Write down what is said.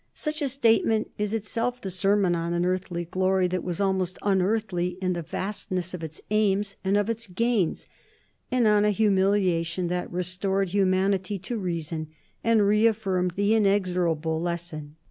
Such a statement is itself the sermon on an earthly glory that was almost unearthly in the vastness of its aims and of its gains, and on a humiliation that restored humanity to reason and reaffirmed the inexorable lesson.